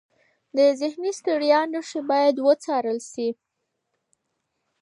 د ذهني ستړیا نښې باید وڅارل شي.